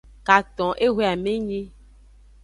Katon ehwe amenyi.